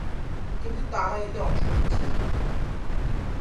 কিন্তু তারা এতে অংশ নিচ্ছে না।